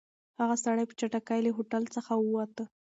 هغه سړی په چټکۍ له هوټل څخه ووت.